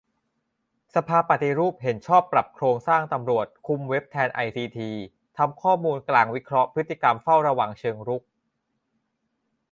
สภาปฏิรูปเห็นชอบปรับโครงสร้างตำรวจคุมเว็บแทนไอซีที ทำข้อมูลกลางวิเคราะห์พฤติกรรมเฝ้าระวังเชิงรุก